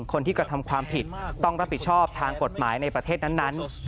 คนที่กระทำความผิดต้องรับผิดชอบทางกฎหมายในประเทศนั้น